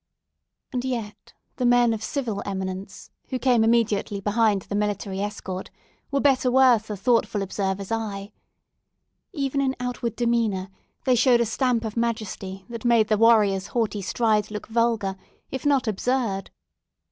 And yet the men of civil eminence, who came immediately behind the military escort, were better worth a thoughtful observer's eye. Even in outward demeanour they showed a stamp of majesty that made the warrior's haughty stride look vulgar, if not absurd.